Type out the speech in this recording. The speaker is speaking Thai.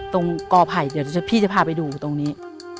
กอไผ่เดี๋ยวพี่จะพาไปดูตรงนี้